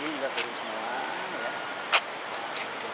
ini juga dulu semua